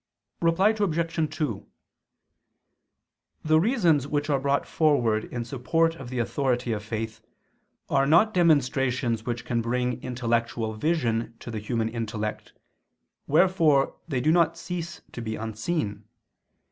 Reply Obj. 2: The reasons which are brought forward in support of the authority of faith, are not demonstrations which can bring intellectual vision to the human intellect, wherefore they do not cease to be unseen.